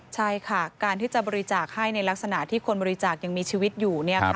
ใช่ค่ะการที่จะบริจาคให้ในลักษณะที่คนบริจาคยังมีชีวิตอยู่